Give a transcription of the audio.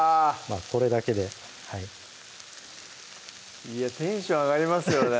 これだけでテンション上がりますよね